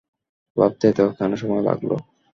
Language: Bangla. ভাবতে এত কেন সময় লাগলো?